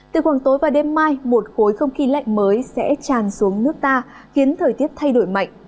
từ khoảng tối và đêm mai một khối không khí lạnh mới sẽ tràn xuống nước ta khiến thời tiết thay đổi mạnh